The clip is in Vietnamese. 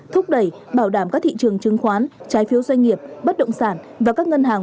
thúc đẩy bảo đảm các thị trường chứng khoán trái phiếu doanh nghiệp bất động sản và các ngân hàng